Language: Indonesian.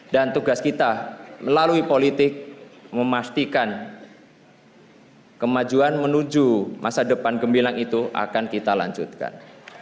dan tugas kita melalui politik memastikan kemajuan menuju masa depan gembilan itu akan kita lanjutkan